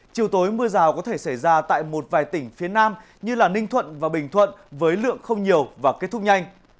chiều tối mưa rào có thể xảy ra tại một vài tỉnh phía nam như ninh thuận và bình thuận với lượng không nhiều và kết thúc nhanh